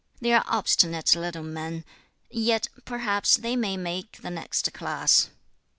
They are obstinate little men. Yet perhaps they may make the next class.'